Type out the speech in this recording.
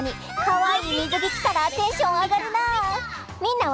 かわいいみずぎきたらテンションあがるな！